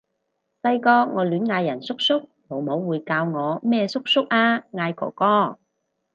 細個我亂嗌人叔叔，老母會教我咩叔叔啊！嗌哥哥！